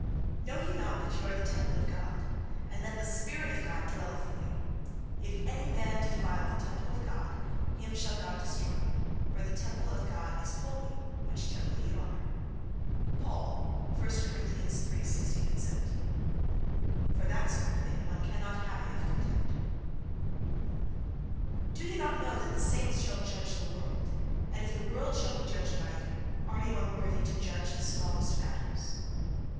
"Know ye not that ye are the temple of God, and that the spirit of God dwelleth in you? If any man defile the temple of God, him shall God destroy; for the temple of God is holy, which temple ye are." (Paul, 1 Corinthians iii, 16.)—For that sort of thing one cannot have enough contempt.... And 17. "Do ye not know that the saints shall judge the world? and if the world shall be judged by you, are ye unworthy to judge the smallest matters?"